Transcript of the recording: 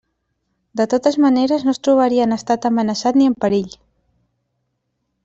De totes maneres no es trobaria en estat amenaçat ni en perill.